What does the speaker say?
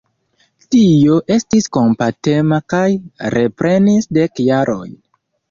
Dio estis kompatema kaj reprenis dek jarojn.